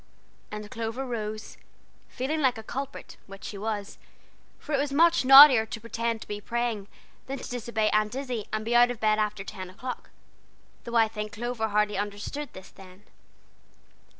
and Clover rose, feeling like a culprit, which she was, for it was much naughtier to pretend to be praying than to disobey Aunt Izzie and be out of bed after ten o'clock, though I think Clover hardly understood this then.